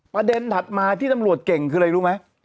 ถัดมาที่ตำรวจเก่งคืออะไรรู้ไหม